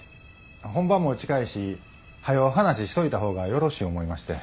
本番も近いしはよ話しといた方がよろしい思いまして。